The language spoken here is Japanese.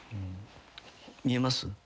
見えます？